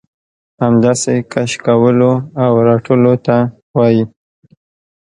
همداسې کش کولو او رټلو ته وايي.